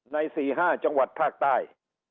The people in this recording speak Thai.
๔๕จังหวัดภาคใต้